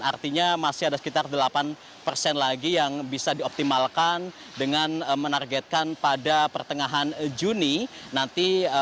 artinya masih ada sekitar delapan persen lagi yang bisa dioptimalkan dengan menargetkan pada pertengahan juni nanti